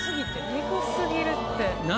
えぐすぎるって。